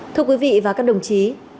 thưa quý vị và các đồng chí